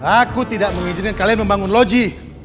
aku tidak mengizinkan kalian membangun loji